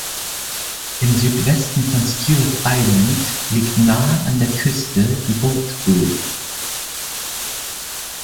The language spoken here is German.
Im Südwesten von Stewart Island liegt nahe an der Küste die "Boat Group".